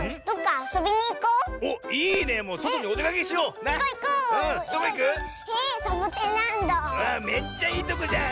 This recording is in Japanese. あっめっちゃいいとこじゃん！